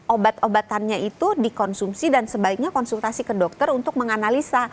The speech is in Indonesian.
obat obatannya itu dikonsumsi dan sebaiknya konsultasi ke dokter untuk menganalisa